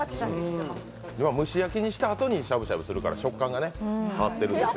蒸し焼きにしたあとにしゃぶしゃぶするから食感が変わってるんでしょ。